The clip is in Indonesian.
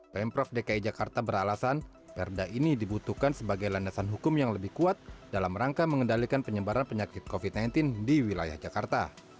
pemprov dki jakarta beralasan perda ini dibutuhkan sebagai landasan hukum yang lebih kuat dalam rangka mengendalikan penyebaran penyakit covid sembilan belas di wilayah jakarta